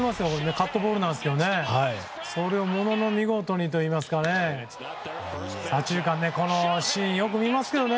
カットボールなんですけどそれをものの見事にといいますか左中間、このシーンよく見ますけどね